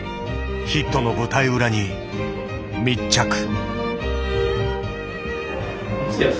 ヒットの舞台裏に密着。